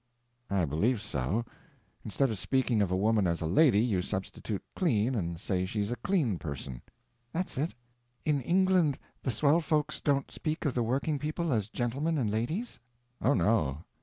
"I believe so. Instead of speaking of a woman as a lady, you substitute clean and say she's a clean person." "That's it. In England the swell folks don't speak of the working people as gentlemen and ladies?" "Oh, no."